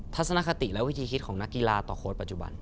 ทัศนคติและวิธีคิดของนักกีฬาต่อโค้ดปัจจุบัน